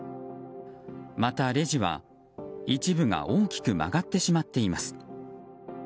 また、レジは一部が大きく曲がってしまっています。